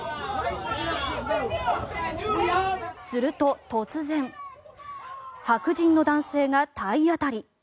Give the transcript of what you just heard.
すると、突然白人の男性が体当たり。